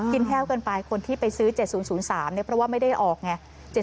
แห้วกันไปคนที่ไปซื้อ๗๐๐๓เพราะว่าไม่ได้ออกไง